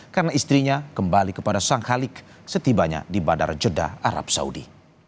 karena istrinya kembali kepada sang khaliq setibanya di badar jeddah arab saudi